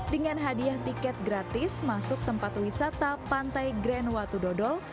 dengan hadiah tiket gratis masuk tempat wisata pantai grand watu dodol